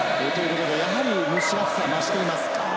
やはり蒸し暑さが増しています。